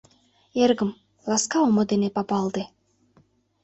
Эргым, ласка омо дене папалте.